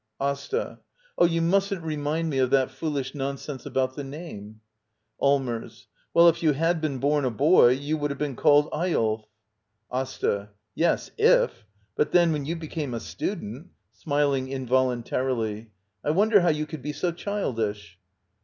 Asta. Oh — you mustn't remind me of that foolish nonsense about the name. Allmers. Well, if you had been born a boy, you would have been called Eyolf. Asta. Yes, iff But then, when you became a student — [Smiling involuntarily.] I wonder how you could be so childish